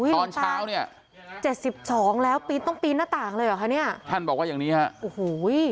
ตอนเช้าเนี่ยเจ็ดสิบสองแล้วปีนต้องปีนหน้าต่างเลยเหรอคะเนี่ยท่านบอกว่าอย่างนี้ฮะโอ้โห